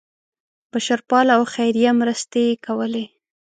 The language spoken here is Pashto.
بشرپاله او خیریه مرستې کولې.